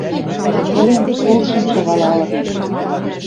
Тӹкӹлен пулшым шагалалыт